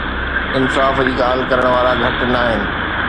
انصاف جي ڳالهه ڪرڻ وارا گهٽ ناهن.